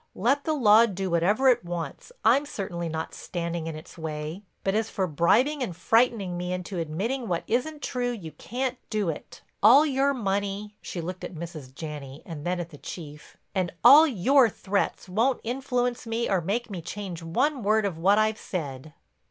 Let the law do whatever it wants; I'm certainly not standing in its way. But as for bribing and frightening me into admitting what isn't true, you can't do it. All your money," she looked at Mrs. Janney and then at the Chief, "and all your threats won't influence me or make me change one word of what I've said."